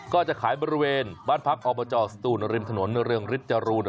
ก็จะขายบริเวณบ้านพักอบจสตูนริมถนนเรืองฤทธรูน